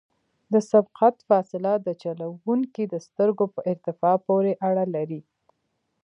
د سبقت فاصله د چلوونکي د سترګو په ارتفاع پورې اړه لري